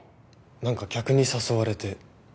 何か客に誘われて。